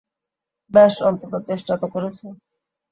বেশ, অন্তত চেষ্টা তো করেছ।